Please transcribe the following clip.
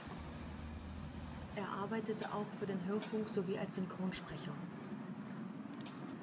Er arbeitete auch für den Hörfunk sowie als Synchronsprecher.